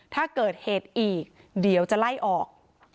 ถ้าเกิดเหตุอีกเดี๋ยวจะไล่ออก